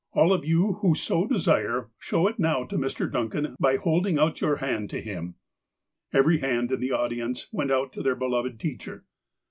All of you who so desire show it now to Mr. Duncan by holding out your hand to him." Every hand in the audience went out to their beloved teacher.